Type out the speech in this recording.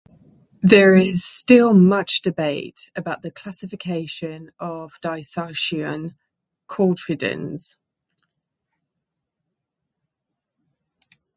There is still much debate about the classification of "Dusicyon" cultridens".